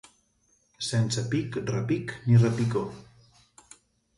Sense pic, repic, ni repicó.